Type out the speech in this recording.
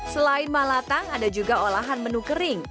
selain malatang ada juga olahan menu kering